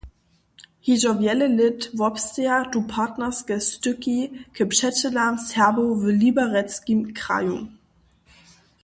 Hižo wjele lět wobsteja tu partnerske styki k přećelam Serbow w Liberecskim kraju.